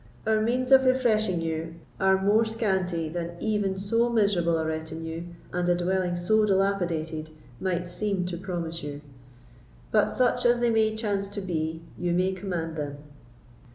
Our means of refreshing you are more scanty than even so miserable a retinue, and a dwelling so dilapidated, might seem to promise you; but, such as they may chance to be, you may command them."